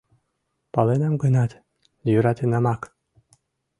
— Паленам гынат, йӧратенамак...